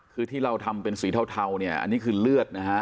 คือที่เราทำเป็นสีเทาเนี่ยอันนี้คือเลือดนะฮะ